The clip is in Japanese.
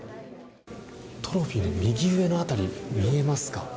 トロフィーの右上の辺り見えますか。